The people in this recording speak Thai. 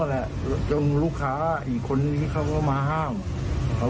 ราคาว่ากี่รถกลับไปแค่แค่นั้นครับ